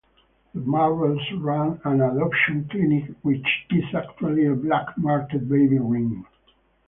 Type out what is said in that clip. The Marbles run an "adoption clinic", which is actually a black market baby ring.